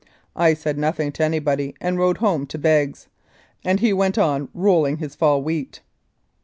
I said nothing to anybody, and rode home to Begg's, and he went on rolling his fall wheat.